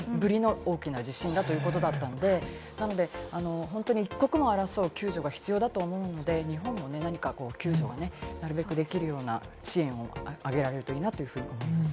１２０年ぶりの地震だということなので、一刻も争う救助が必要だと思うので、日本も何か救助を、なるべくできるような支援を上げるといいなと思います。